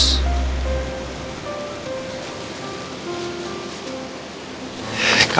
kalau aku sih nggak mau